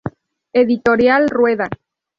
Editorial Rueda.